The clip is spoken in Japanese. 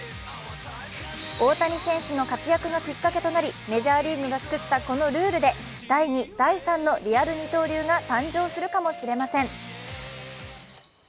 大谷選手の活躍がきっかけとなりメジャーリーグが作ったこのルールで第２、第３のリアル二刀流が誕生するかもしれません。